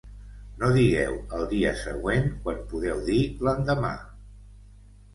No digueu el dia següent, quan podeu dir l'endemà